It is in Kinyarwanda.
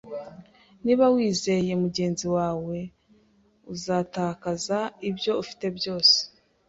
Niba wizeye mugenzi wawe, uzatakaza ibyo ufite byose